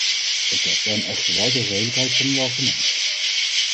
Ik erken echter wel de redelijkheid van uw argument.